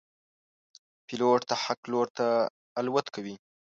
پیلوټ د حق لور ته الوت کوي.